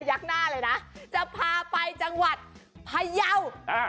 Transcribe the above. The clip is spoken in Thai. ักหน้าเลยนะจะพาไปจังหวัดพยาวอ่า